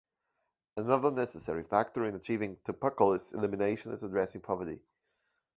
Another necessary factor in achieving tuberculosis elimination is addressing poverty.